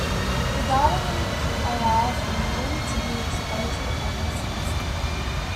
The data link allows imagery to be exploited almost instantly.